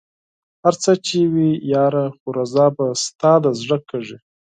هر څه چې وي ياره خو رضا به ستا د زړه کېږي